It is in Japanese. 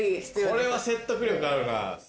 これは説得力あるな。